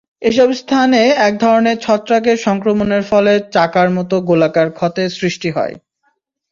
এসব স্থানে একধরনের ছত্রাকের সংক্রমণের ফলে চাকার মতো গোলাকার ক্ষতের সৃষ্টি হয়।